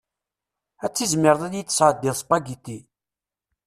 Ad tizmireḍ ad iyi-d-tesɛeddiḍ spaghetti?